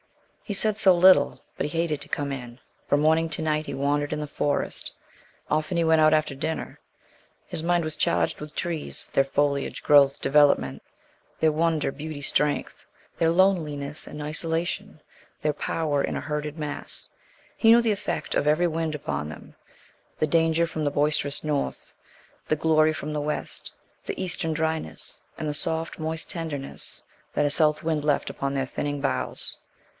He said so little, but he hated to come in. From morning to night he wandered in the Forest; often he went out after dinner; his mind was charged with trees their foliage, growth, development; their wonder, beauty, strength; their loneliness in isolation, their power in a herded mass. He knew the effect of every wind upon them; the danger from the boisterous north, the glory from the west, the eastern dryness, and the soft, moist tenderness that a south wind left upon their thinning boughs.